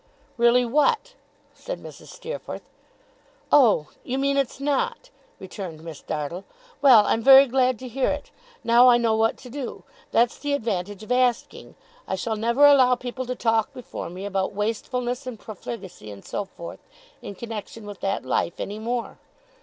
'Really what?' said Mrs. Steerforth. 'Oh! You mean it's not!' returned Miss Dartle. 'Well, I'm very glad to hear it! Now, I know what to do! That's the advantage of asking. I shall never allow people to talk before me about wastefulness and profligacy, and so forth, in connexion with that life, any more.